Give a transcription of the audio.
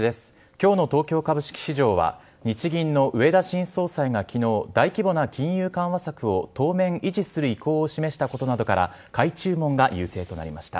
きょうの東京株式市場は、日銀の植田新総裁がきのう、大規模な金融緩和策を当面維持する意向を示したことなどから買い注文が優勢となりました。